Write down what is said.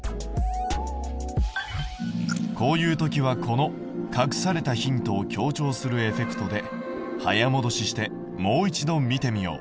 こういう時はこの隠されたヒントを強調するエフェクトで早もどししてもう一度見てみよう。